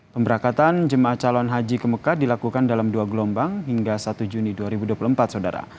pemberangkatan jemaah calon haji ke mekah dilakukan dalam dua gelombang hingga satu juni dua ribu dua puluh empat saudara